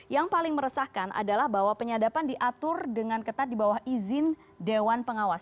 yang paling meresahkan adalah bahwa penyadapan diatur dengan ketat di bawah izin dewan pengawas